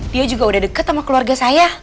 dia juga udah deket sama keluarga saya